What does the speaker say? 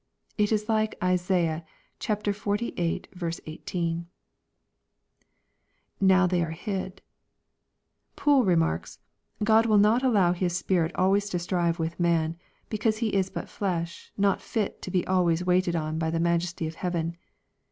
It is like Isaiah xlviii. 18. [Now ihey are hidl\ Poole remarks, " God will not allow Hia Spirit always to strive with man, because he is but flesh, not fit to be always waited on by the Majesty of heaven.